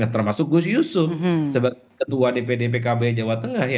termasuk gus yusuf sebagai ketua dpd pkb jawa tengah